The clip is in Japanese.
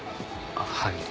あっはい。